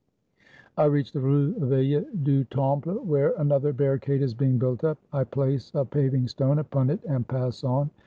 I reach the Rue Vieille du Temple, where another barricade is being built up. I place a paving stone upon it and pass on.